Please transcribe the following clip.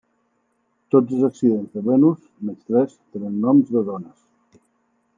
Tots els accidents de Venus, menys tres, tenen noms de dones.